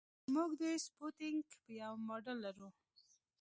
موږ د سپوتنیک یو ماډل لرو